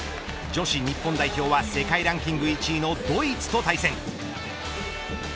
女子日本代表は世界ランキング１位のドイツと対戦。